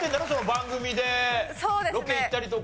番組でロケ行ったりとか。